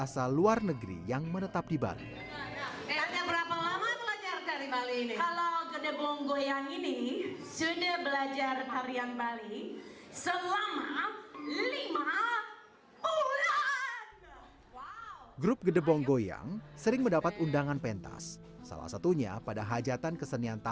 sanggar untuk gamelan itu